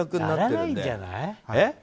ならないんじゃない？